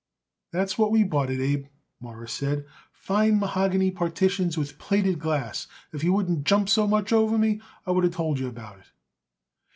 "That's what we bought it, Abe," Morris said, "fine mahogany partitions with plated glass. If you wouldn't jump so much over me, I would of told you about it."